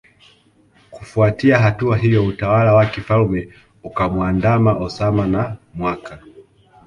Kufuatia hatua hiyo utawala wa kifalme ukamuandama Osama na mwaka